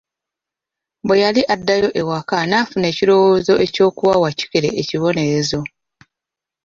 Bwe yali addayo ewaka n'afuna ekirowoozo eky'okuwa Wakikere ekibonerezo.